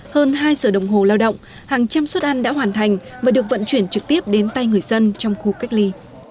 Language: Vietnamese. hơn hai giờ đồng hồ lao động hàng trăm suất ăn đã hoàn thành và được vận chuyển trực tiếp đến tay người dân trong khu cách ly